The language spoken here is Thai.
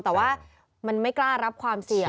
แต่ว่ามันไม่กล้ารับความเสี่ยง